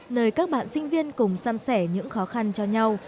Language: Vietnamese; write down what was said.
nơi các bạn sinh viên cùng săn sẻ những khó khăn cho nhau